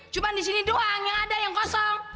cuma di sini doang yang ada yang kosong